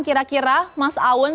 kira kira mas saun